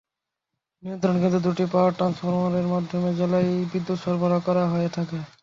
নিয়ন্ত্রণ কেন্দ্রের দুটি পাওয়ার ট্রান্সফরমারের মাধ্যমে জেলায় বিদ্যুৎ সরবরাহ করা হয়ে থাকে।